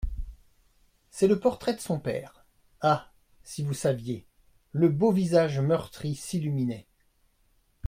C'est le portrait de son père … Ah ! si vous saviez !…» Le beau visage meurtri s'illuminait.